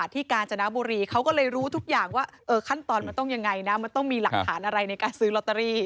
ทุกอย่างว่าเออขั้นตอนมันต้องยังไงนะมันต้องมีหลักฐานอะไรในการซื้อลอตเตอรี่